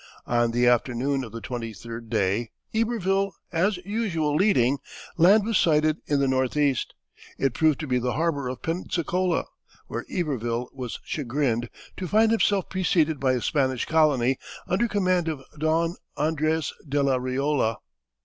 On the afternoon of the twenty third day, Iberville as usual leading, land was sighted in the northeast. It proved to be the harbor of Pensacola, where Iberville was chagrined to find himself preceded by a Spanish colony under command of Don Andres de la Riola.